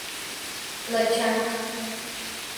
La Chanca.